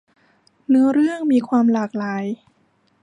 เนื้อเรื่องมีความหลากหลาย